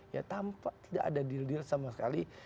ya tampak tidak ada deal deal sama sekali